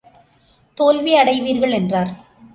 தோல்வி அடைவீர்கள் என்றார்.